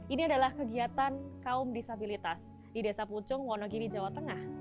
ini adalah kegiatan kaum disabilitas di desa pucung wonogiri jawa tengah